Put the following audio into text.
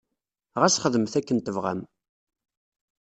Ɣas xedmet akken tebɣam.